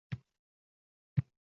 Javob aniq: Rustam Azimov.